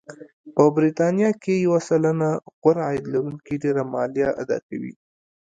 په بریتانیا کې یو سلنه غوره عاید لرونکي ډېره مالیه اداکوي